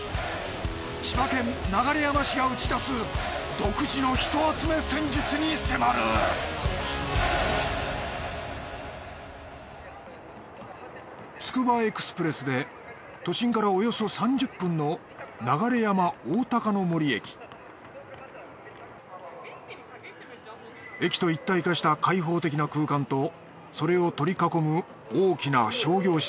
千葉県流山市が打ち出す独自の人集め戦術に迫るつくばエクスプレスで都心からおよそ３０分の駅と一体化した開放的な空間とそれを取り囲む大きな商業施設。